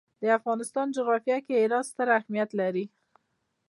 د افغانستان جغرافیه کې هرات ستر اهمیت لري.